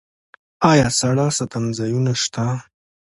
آیا ساړه ساتنځایونه شته؟